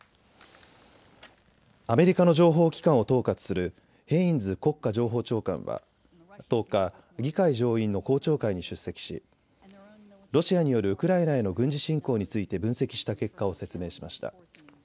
アメリカの情報機関を統括するヘインズ国家情報長官は１０日、議会上院の公聴会に出席しロシアによるウクライナへの軍事侵攻について分析した結果を説明しました。